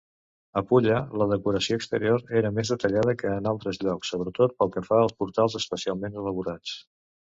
A Pulla, la decoració exterior era més detallada que en altres llocs, sobretot pel que fa als portals especialment elaborats.